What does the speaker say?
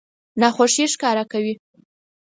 ناخوښي ښکاره کوي.